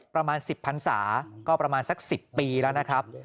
ประมาณ๑๐พันศาก็ประมาณสัก๑๐ปีแล้วนะครับ